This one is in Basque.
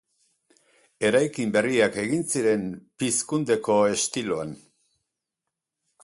Eraikin berriak egin ziren pizkundeko estiloan.